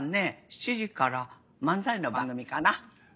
７時から漫才の番組かな。